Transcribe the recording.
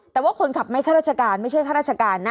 แต่ว่าคนขับไม่ข้าราชการไม่ใช่ข้าราชการนะ